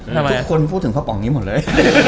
ทุกคนพูดถึงข้าวปล่องนี้หมดเลย